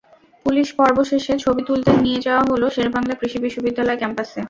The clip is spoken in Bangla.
পুলিশ পর্ব শেষে ছবি তুলতে নিয়ে যাওয়া হলো শেরেবাংলা কৃষি বিশ্ববিদ্যালয় ক্যাম্পাসে।